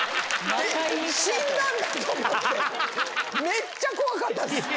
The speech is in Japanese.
めっちゃ怖かったです。